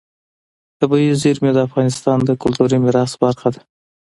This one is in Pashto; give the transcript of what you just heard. طبیعي زیرمې د افغانستان د کلتوري میراث برخه ده.